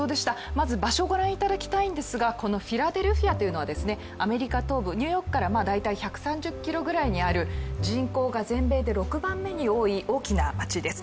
まず場所をご覧いただきたいんですがこのフィラデルフィアというのはアメリカ東部ニューヨークから大体１３０ｋｍにある人口が全米で６番目に多い大きな街です。